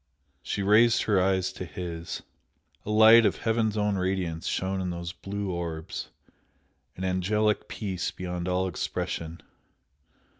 She raised her eyes to his. A light of heaven's own radiance shone in those blue orbs an angelic peace beyond all expression.